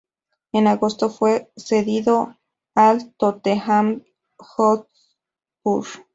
En agosto fue cedido al Tottenham Hotspur.